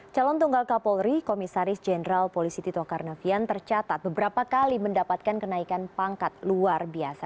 calon tunggal kapolri komisaris jenderal polisi tito karnavian tercatat beberapa kali mendapatkan kenaikan pangkat luar biasa